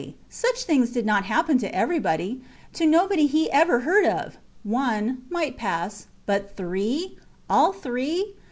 Such things did not happen to everybody to nobody he ever heard of. One might pass. But three! All three.